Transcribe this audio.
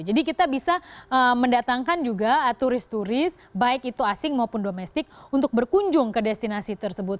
jadi kita bisa mendatangkan juga turis turis baik itu asing maupun domestik untuk berkunjung ke destinasi tersebut